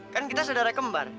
kan kita saudara kembar